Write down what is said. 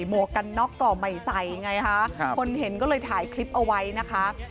วกกันน็อกก็ไม่ใส่ไงคะคนเห็นก็เลยถ่ายคลิปเอาไว้นะคะ